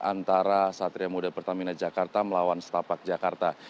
antara satria muda pertamina jakarta melawan setapak jakarta